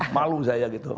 malu saya gitu